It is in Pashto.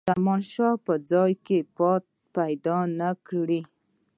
زمانشاه به ځای پیدا نه کړي.